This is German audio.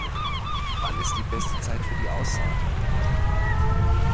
Wann ist die beste Zeit für die Aussaat?